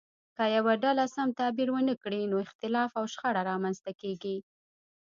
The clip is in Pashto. که یوه ډله سم تعبیر ونه کړي نو اختلاف او شخړه رامنځته کیږي.